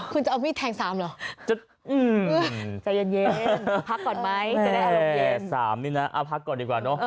คุณจะเอามิตรแทงสามหรอ